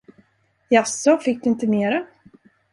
Jaså, fick du inte mera?